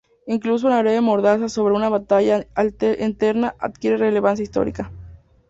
Incluso una breve mordaza sobre una batalla eterna adquiere relevancia histórica.